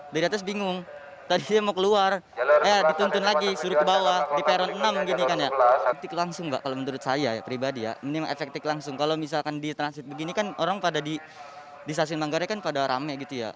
di transit begini kan orang pada di stasiun manggarai kan pada rame gitu ya